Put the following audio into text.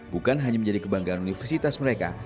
bukan hanya menjadi kebanggaan universitas mereka